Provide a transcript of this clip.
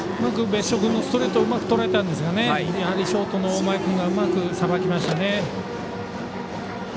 別所君のストレートうまくとらえたんですがショートの大前君がうまくさばきましたね。